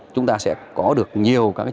chúng ta sẽ có được những cái cơ sở giáo dục đại học